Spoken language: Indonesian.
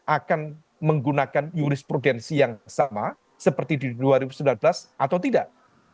akan menggunakan jurisprudensi yang sama seperti di dua ribu sembilan belas atau tidak